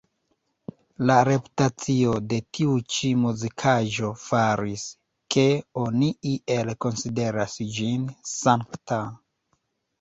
La reputacio de tiu ĉi muzikaĵo faris, ke oni iel konsideras ĝin sankta.